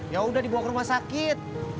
ya udah dibawa ke rumah sakit